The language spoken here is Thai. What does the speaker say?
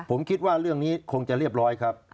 ผมคิดว่าเรื่องนี้คงจะเรียบร้อยครับ